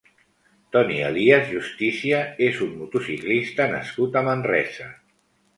Toni Elías Justicia és un motociclista nascut a Manresa.